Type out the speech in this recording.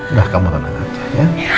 udah kembang kembang aja ya